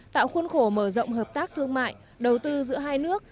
tạo khuôn khổ mở rộng hợp tác thương mại đầu tư giữa hai nước